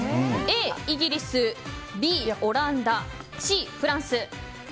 Ａ、イギリスＢ、オランダＣ、フランス。